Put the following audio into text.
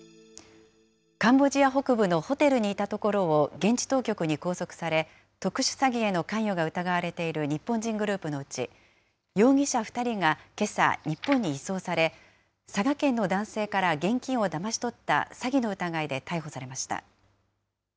カンボジア北部のホテルにいたところを現地当局に拘束され、特殊詐欺への関与が疑われている日本人グループのうち、容疑者２人がけさ、日本に移送され、佐賀県の男性から現金をだまし取った詐欺の疑いで逮捕されました。